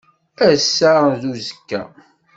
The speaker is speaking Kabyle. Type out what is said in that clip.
Ass-a d uzekka.